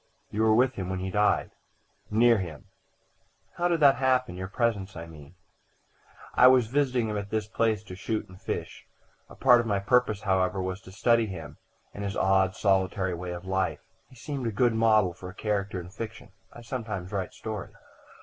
"You were with him when he died?" "Near him." "How did that happen your presence, I mean?" "I was visiting him at this place to shoot and fish. A part of my purpose, however, was to study him, and his odd, solitary way of life. He seemed a good model for a character in fiction. I sometimes write stories."